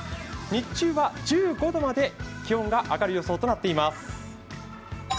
日中は１５度まで気温が上がる予想となっています。